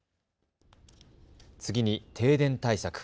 次に停電対策。